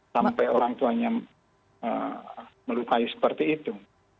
sampai orang tuanya melukai seperti itu